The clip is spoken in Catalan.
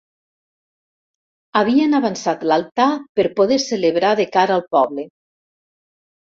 Havien avançat l'altar per poder celebrar de cara al poble.